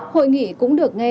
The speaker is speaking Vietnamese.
hội nghị cũng được nghe